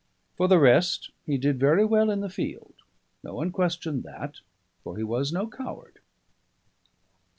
For the rest, he did very well in the field; no one questioned that: for he was no coward.